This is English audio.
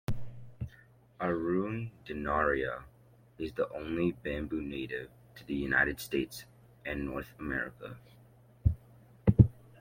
"Arundinaria" is the only bamboo native to the United States and North America.